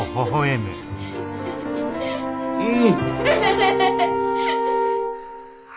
うん！